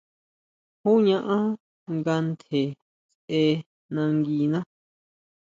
¿Jú ñaʼán nga ntje sʼe nanguiná?